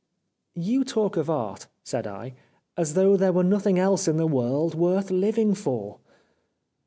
*"' You talk of Art,' said I, ' as though there were nothing else in the world worth living for.'